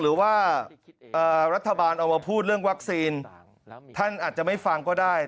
หรือว่ารัฐบาลเอามาพูดเรื่องวัคซีนท่านอาจจะไม่ฟังก็ได้